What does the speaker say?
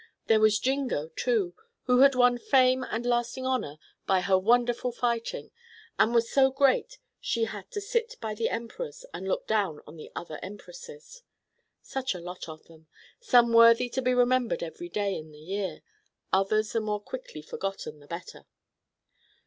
There was Jingo, too, who had won fame and lasting honor by her wonderful fighting, and was so great she had to sit by the emperors and look down on the other empresses. Such a lot of them! Some worthy to be remembered every day in the year, others the more quickly forgotten the better.